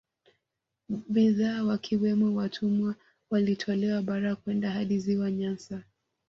Bidhaa wakiwamo watumwa walitolewa bara kwenda hadi Ziwa Nyasa